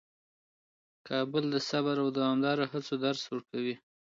کابل د صبر او دوامداره هڅو درس ورکوي.